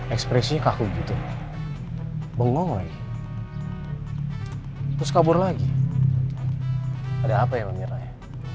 ekspresinya kaku gitu bengong lagi terus kabur lagi ada apa ya pak mirna ya